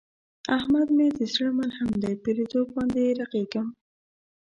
احمد مې د زړه ملحم دی، په لیدو باندې یې رغېږم.